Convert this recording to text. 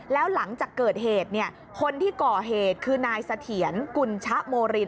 แล้วหลังจากเกิดเหตุคนที่ก่อเหตุคือนายเสถียรกุญชะโมริน